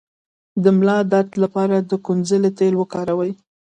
د ملا درد لپاره د کونځلې تېل وکاروئ